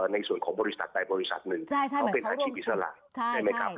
ในส่วนของบริษัทใดบริษัทหนึ่งต้องเป็นอาชีพอิสระใช่ไหมครับ